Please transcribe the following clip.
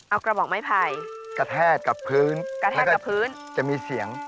เอากระบอกไม้ไผ่กระแทกกับพื้นกระแทกกับพื้นจะมีเสียง